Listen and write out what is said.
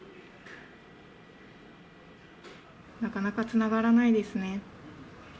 なかなかつながらないですね。